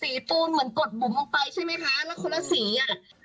ปูนเหมือนกดบุ๋มออกไปใช่ไหมคะแล้วคนละสีอ่ะ